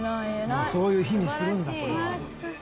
もうそういう日にするんだこれは。